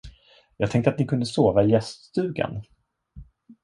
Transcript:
Jag tänkte att ni kunde sova i gäststugan.